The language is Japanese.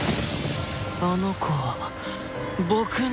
あの子は僕の。